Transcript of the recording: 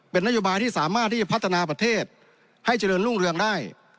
เป็นนโยบายที่สามารถที่จะพัฒนาประเทศให้เจริญรุ่งเรืองได้